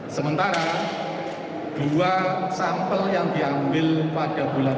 sementara dua sampel yang diambil pada bulan